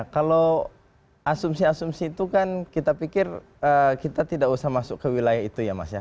kalau asumsi asumsi itu kan kita pikir kita tidak usah masuk ke wilayah itu ya mas ya